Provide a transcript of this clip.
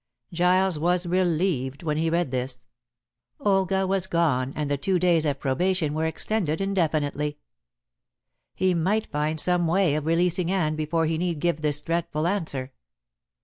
Giles was relieved when he read this. Olga was gone, and the two days of probation were extended indefinitely. He might find some way of releasing Anne before he need give this dreadful answer.